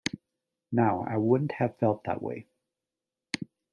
Now, I wouldn’t have felt that way.